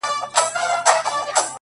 زما ځواني دي ستا د زلفو ښامارونه وخوري”